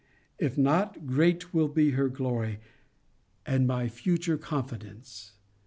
If not, great will be her glory, and my future confidence.